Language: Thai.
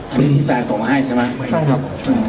อันนี้ที่แฟนส่งมาให้ใช่ไหมใช่ครับ